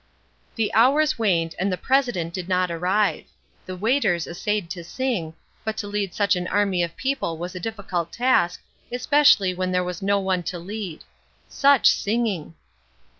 The hours waned, and the president did not arrive. The waiters essayed to sing, but to lead such an army of people was a difficult task, especially when there was no one to lead. Such singing!